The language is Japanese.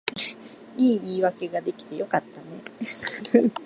いい言い訳が出来てよかったね